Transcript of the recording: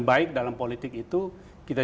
baik dalam politik itu kita